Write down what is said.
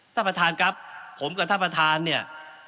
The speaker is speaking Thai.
ท่านประธานครับผมกับท่านประธานเนี่ย